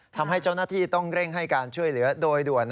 ทำให้เจ้าหน้าที่ต้องเร่งให้การช่วยเหลือโดยด่วน